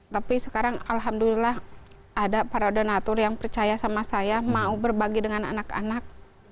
tapi sekarang alhamdulillah ada para donatur yang percaya sama saya mau berbagi dengan anak anak